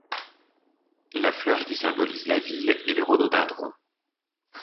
La fleur qui symbolise la ville est le rhododendron.